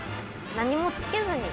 何もつけずに？